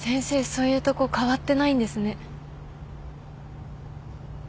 そういうとこ変わってないんですね。